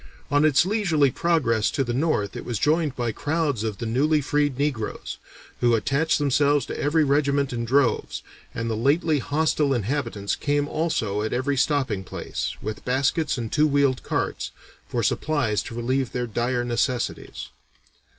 On its leisurely progress to the north it was joined by crowds of the newly freed negroes, who attached themselves to every regiment in droves, and the lately hostile inhabitants came also at every stopping place, "with baskets and two wheeled carts" for supplies to relieve their dire necessities.